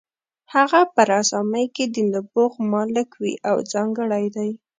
هغه په رسامۍ کې د نبوغ مالک وي او ځانګړی دی.